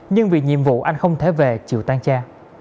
nhưng vì nhiệm vụ anh không thể về chịu tan cha